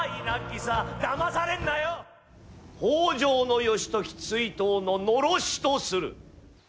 北条義時追討の狼煙とする。